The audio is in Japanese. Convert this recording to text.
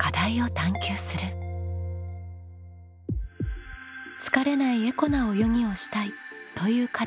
「疲れないエコな泳ぎをしたい」という課題のまことさん。